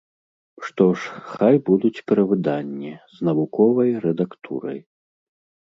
Што ж, хай будуць перавыданні, з навуковай рэдактурай.